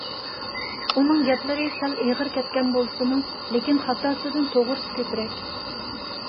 ئۇنىڭ گەپلىرى سەل ئېغىر كەتكەن بولسىمۇ، لېكىن خاتاسىدىن توغرىسى كۆپرەك.